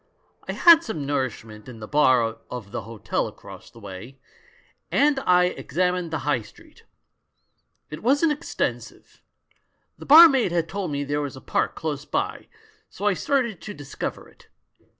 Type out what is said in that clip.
I had some nourishment in the bar of the hotel across the way, and I examined the High Street. It wasn't extensive. The bar maid had told me there was a park close by, so I started to discover it.